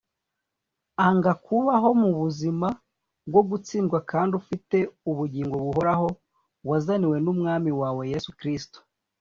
Anga kubaho mu buzima bwo gutsindwa kandi ufite ubugingo buhoraho wazaniwe n’Umwami wawe Yesu Kristo